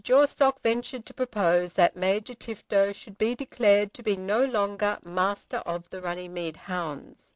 Jawstock ventured to propose that Major Tifto should be declared to be no longer Master of the Runnymede Hounds.